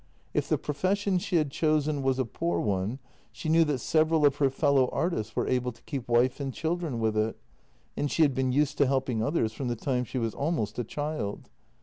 If the profession she had chosen was a poor one, she knew that several of her fellow artists were able to keep wife and children with it, and she had been used to helping others from the time she was almost a child.